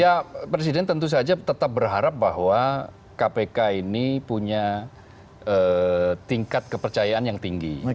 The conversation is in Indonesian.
ya presiden tentu saja tetap berharap bahwa kpk ini punya tingkat kepercayaan yang tinggi